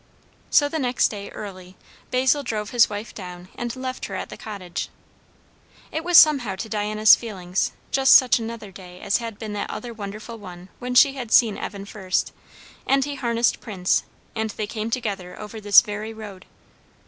So the next day, early, Basil drove his wife down and left her at the cottage. It was somehow to Diana's feeling just such another day as had been that other wonderful one when she had seen Evan first, and he harnessed Prince, and they came together over this very road.